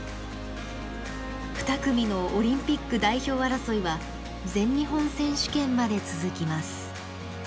２組のオリンピック代表争いは全日本選手権まで続きます。